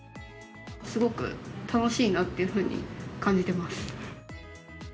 すごく楽しいなっていうふうに感じてます。